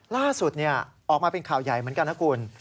ล่าสุดออกมาเป็นข่าวใหญ่เหมือนกันนะคุณ